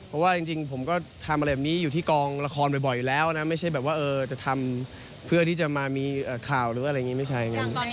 เพราะว่าจริงผมก็ทำอะไรแบบนี้อยู่ที่กองละครบ่อยแล้วนะไม่ใช่แบบว่าจะทำเพื่อที่จะมามีข่าวหรืออะไรอย่างนี้ไม่ใช่อย่างนั้น